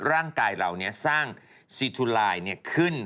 ร่างกายเหล่านี้สร้างซีทูไลน์ขึ้น